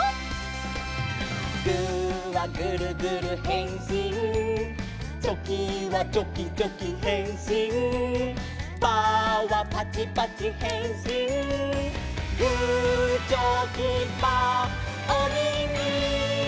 「グーはグルグルへんしん」「チョキはチョキチョキへんしん」「パーはパチパチへんしん」「グーチョキパーおみみ」